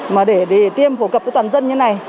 mà để tiêm phổ cập với toàn dân như này